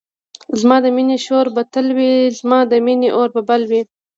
زما د مینی شور به تل وی زما د مینی اور به بل وی